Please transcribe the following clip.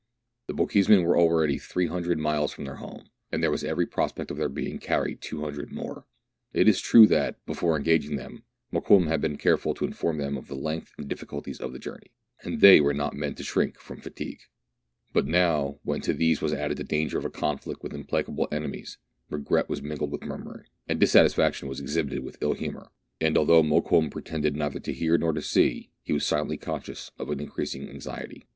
The Bochjesmen were already 300 miles from their home, and there was every prospect of their being carried 200 more. It is true that, before engaging them, Mokoum had been careful to inform them of the length and difficulties of the journey, and they were not men to shrink from fatigue ; but now, when to these was added the danger of THREE ENGLISHMEN AND THREE RUSSIANS. 157 a conflict with implacable enemies, regret was mingled with murmuring, and dissatisfaction was exhibited with ill humour, and although Mokoum pretended neither to hear nor to see, he was silently conscious ot an increasing anxiety.